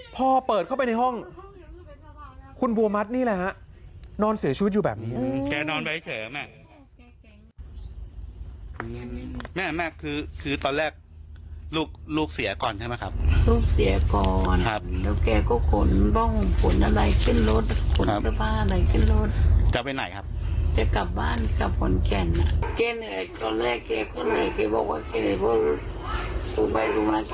พ่อเปิดเข้าไปในห้องคุณบัวมัดคุณบัวมัดนี่แหละนอนเสียชีวิตอยู่แบบนี้